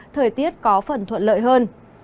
thời tiết có phần thuận lợi hơn